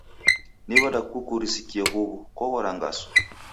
Ni w'ada kukurusikie huw'u? Koghora ngasu?